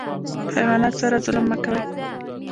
حیواناتو سره ظلم مه کوئ